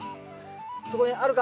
そこにあるか？